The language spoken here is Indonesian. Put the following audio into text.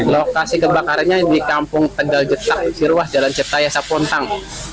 lokasi kebakarannya di kampung tenggal jeta sirwas jalan cipta yasa pontang